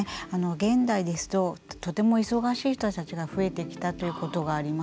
現代ですととても忙しい人たちが増えてきたということがあります。